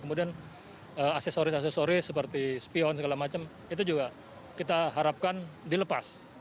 kemudian aksesoris aksesoris seperti spion segala macam itu juga kita harapkan dilepas